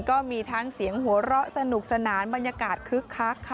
ก็มีทั้งเสียงหัวเราะสนุกสนานบรรยากาศคึกคักค่ะ